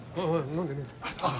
飲んで飲んで。